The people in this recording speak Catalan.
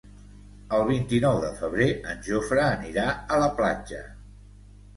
El vint-i-nou de febrer en Jofre anirà a la platja.